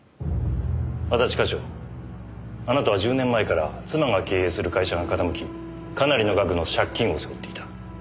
安達課長あなたは１０年前から妻が経営する会社が傾きかなりの額の借金を背負っていた。